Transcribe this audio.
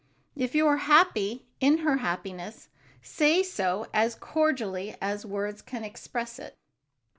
If you are happy in her happiness, say so as cordially as words can express it.